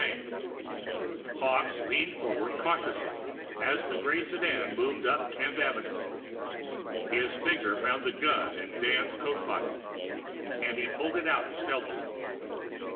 VIII Hawkes leaned forward cautiously as the gray sedan moved up Tenth Avenue. His finger found the gun in Dan's coat pocket; and he pulled it out stealthily.